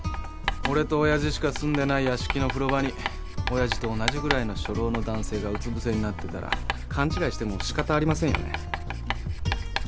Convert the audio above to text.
俺と親父しか住んでない屋敷の風呂場に親父と同じぐらいの初老の男性がうつぶせになってたら勘違いしても仕方ありませんよね？